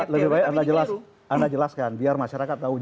lebih baik anda jelaskan biar masyarakat tahu